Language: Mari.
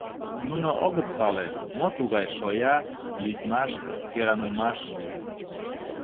Нуно огыт пале, мо тугай шоя, лӱдмаш, кӧранымаш.